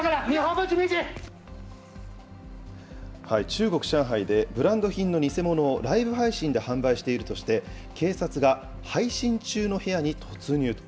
中国・上海でブランド品の偽物をライブ配信で販売しているとして、警察が配信中の部屋に突入と。